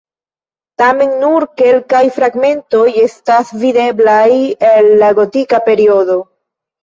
Tamen nur kelkaj fragmentoj estas videblaj el la gotika periodo.